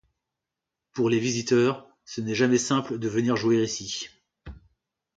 Pour les visiteurs, ce n’est jamais simple de venir jouer ici.